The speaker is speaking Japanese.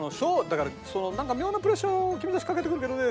だからそのなんか妙なプレッシャーを君たち掛けてくるけどね